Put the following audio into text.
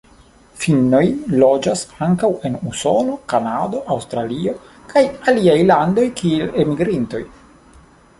Finnoj loĝas ankaŭ en Usono, Kanado, Aŭstralio kaj aliaj landoj kiel elmigrintoj.